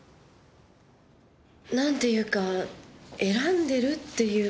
何ていうか選んでるっていうか。